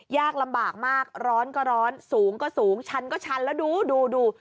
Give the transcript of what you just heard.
ยากลำบากมากร้อนก็ร้อนสูงก็สูงชันก็ชันแล้วดูดู